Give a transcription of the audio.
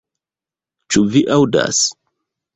Ĉu vi aŭdas!